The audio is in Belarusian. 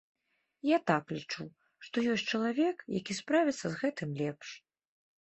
Я так лічу, што ёсць чалавек, які справіцца з гэтым лепш.